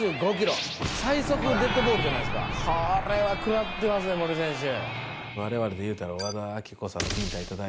これは食らってますね森選手。